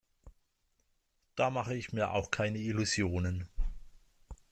Da mache ich mir auch keine Illusionen.